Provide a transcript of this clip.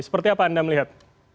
seperti apa anda melihat